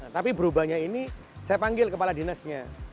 tapi berubahnya ini saya panggil kepala dinasnya